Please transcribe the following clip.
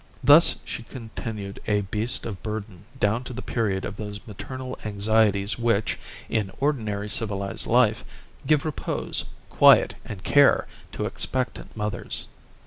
Thus she continued a beast of burden down to the period of those maternal anxieties which, in ordinary civilized life, give repose, quiet, and care to expectant mothers.